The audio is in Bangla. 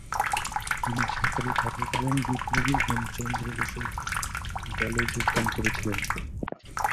তিনি ছাত্র থাকাকালীন বিপ্লবী হেমচন্দ্র ঘোষের দলে যোগদান করেছিলেন।